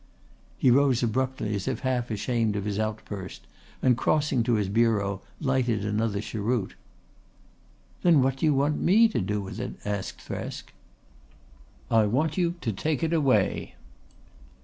He rose abruptly as if half ashamed of his outburst and crossing to his bureau lighted another cheroot. "Then what do you want me to do with it?" asked Thresk. "I want you to take it away."